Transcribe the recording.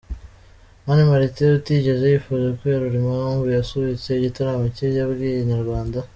Mani Martin utigeze yifuza kwerura impamvu yasubitse igitaramo cye yabwiye Inyarwanda.